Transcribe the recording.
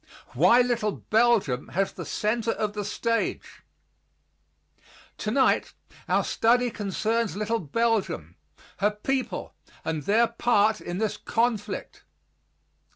WHY LITTLE BELGIUM HAS THE CENTER OF THE STAGE Tonight our study concerns little Belgium, her people, and their part in this conflict.